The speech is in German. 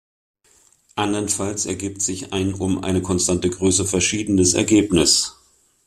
Andernfalls ergibt sich ein um eine konstante Größe verschiedenes Ergebnis.